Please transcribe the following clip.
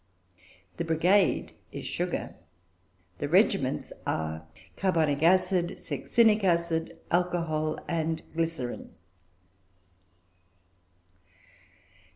The brigade is sugar, the regiments are carbonic acid, succinic acid, alcohol, and glycerine.